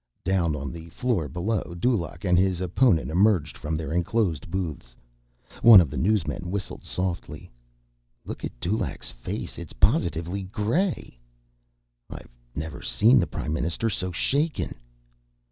Down on the floor below, Dulaq and his opponent emerged from their enclosed booths. One of the newsmen whistled softly. "Look at Dulaq's face ... it's positively gray." "I've never seen the Prime Minister so shaken."